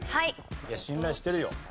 いや信頼してるよ。